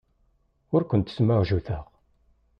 Ur kent-smuɛjuteɣ.